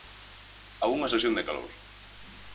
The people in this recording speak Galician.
A unha sesión de calor.